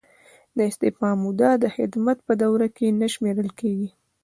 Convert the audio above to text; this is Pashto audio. د استعفا موده د خدمت په دوره کې نه شمیرل کیږي.